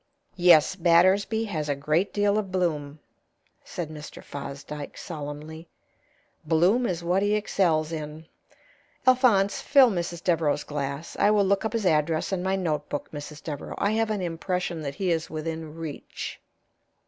"Yes, Battersby has a great deal of bloom," said Mr. Fosdyke, solemnly. "Bloom is what he excels in. Alphonse, fill Mrs. Devereaux's glass. I will look up his address in my notebook, Mrs. Devereaux. I have an impression that he is within reach."